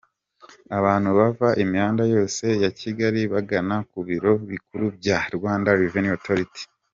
Abantu bava imihanda yose ya Kigali bagana ku biro bikuru bya Rwanda Revenue Authority.